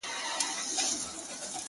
نور یې نسته زور د چا د ښکارولو -